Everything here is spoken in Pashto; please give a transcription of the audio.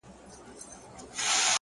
• جهاني هلته مي شکمن پر خپله مینه سمه ,